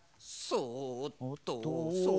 そうっとそうっと。